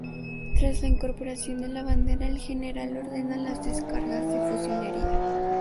Tras la incorporación de la bandera, el general ordena las descargas de fusilería.